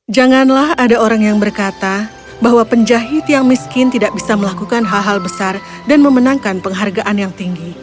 janganlah ada orang yang berkata bahwa penjahit yang miskin tidak bisa melakukan hal hal besar dan memenangkan penghargaan yang tinggi